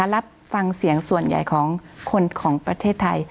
รับฟังเสียงส่วนใหญ่ของคนของประเทศไทย